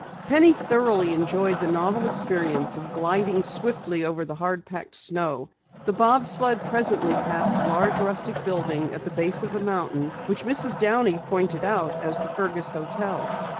Penny thoroughly enjoyed the novel experience of gliding swiftly over the hard packed snow. The bobsled presently passed a large rustic building at the base of the mountain which Mrs. Downey pointed out as the Fergus hotel.